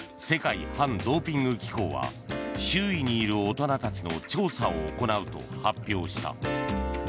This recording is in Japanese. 世界反ドーピング機構は周囲にいる大人たちの調査を行うと発表した。